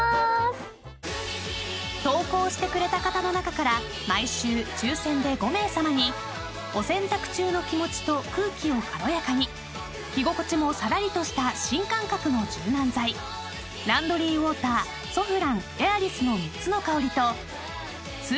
［投稿してくれた方の中から毎週抽選で５名さまにお洗濯中の気持ちと空気を軽やかに着心地もさらりとした新感覚の柔軟剤ランドリーウォーターソフランＡｉｒｉｓの３つの香りとスーパーＮＡＮＯＸ